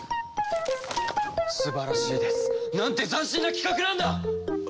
素晴らしいです。なんて斬新な企画なんだ！